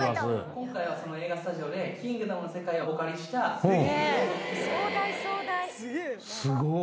今回はその映画スタジオで、キングダムの世界をお借りした、すごっ。